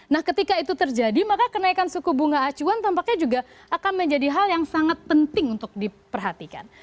nah ketika itu terjadi maka kenaikan suku bunga acuan tampaknya juga akan menjadi hal yang sangat penting untuk diperhatikan